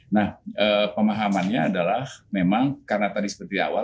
nah pemahamannya adalah memang karena tadi seperti awal